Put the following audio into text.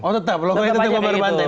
oh tetap logonya itu tetap berbanteng